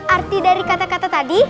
arti dari kata kata tadi